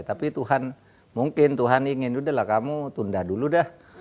tapi tuhan mungkin tuhan ingin udahlah kamu tunda dulu dah